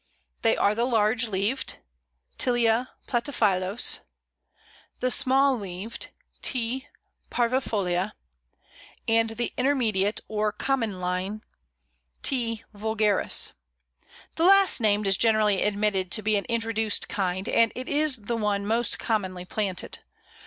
They are the Large leaved (Tilia platyphyllos), the Small leaved (T. parvifolia), and the Intermediate or Common Lime (T. vulgaris). The last named is generally admitted to be an introduced kind, and it is the one most commonly planted.